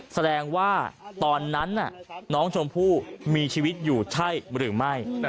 แสดงว่าตอนนั้นน้องชมพู่มีชีวิตอยู่ใช่หรือไม่